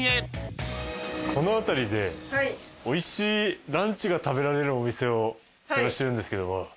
この辺りでおいしいランチが食べられるお店を探してるんですけども。